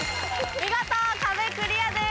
見事壁クリアです。